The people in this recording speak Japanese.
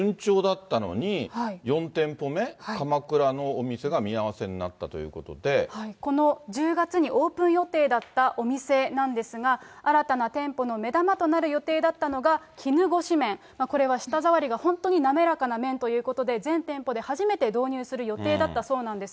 非常に順調だったのに、４店舗目、鎌倉のお店が見合わせになったということでこの１０月にオープン予定だったお店なんですが、新たな店舗の目玉となる予定だったのが、絹ごし麺、これは舌触りが本当に滑らかな麺だということで、全店舗で初めて導入する予定だったそうなんです。